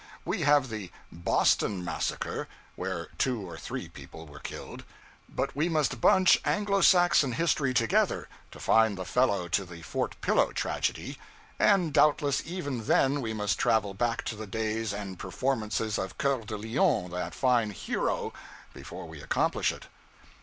We have the 'Boston Massacre,' where two or three people were killed; but we must bunch Anglo Saxon history together to find the fellow to the Fort Pillow tragedy; and doubtless even then we must travel back to the days and the performances of Coeur de Lion, that fine 'hero,' before we accomplish it.